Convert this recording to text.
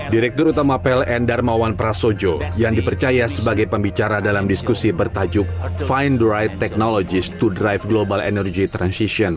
direktur utama pln darmawan prasojo yang dipercaya sebagai pembicara dalam diskusi bertajuk find the right technologies to drive global energy transition